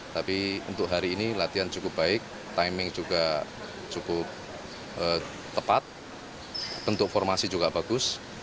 tapi untuk hari ini latihan cukup baik timing juga cukup tepat bentuk formasi juga bagus